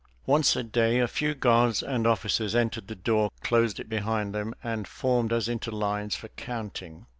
Once a day a few guards and officers entered this door, closed it behind them, and formed us into lines for counting.